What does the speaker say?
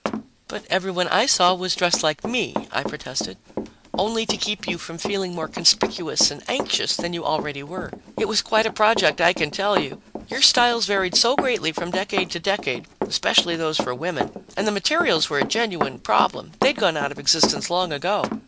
"But everybody I saw was dressed like me!" I protested. "Only to keep you from feeling more conspicuous and anxious than you already were. It was quite a project, I can tell you your styles varied so greatly from decade to decade, especially those for women and the materials were a genuine problem; they'd gone out of existence long ago.